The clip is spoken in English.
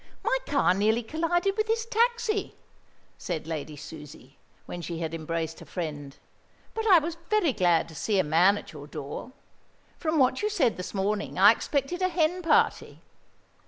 "My car nearly collided with his taxi," said Lady Susie, when she had embraced her friend; "but I was very glad to see a man at your door. From what you said this morning, I expected a hen party.